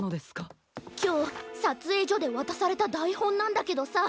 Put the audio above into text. きょうさつえいじょでわたされただいほんなんだけどさ